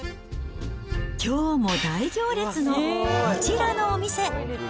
きょうも大行列のこちらのお店。